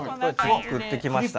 作ってきました。